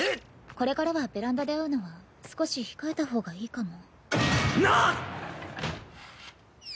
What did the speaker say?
これからはベランダで会うのは少し控えた方がいいかも。